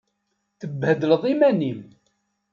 Tebbhedleḍ iman-im.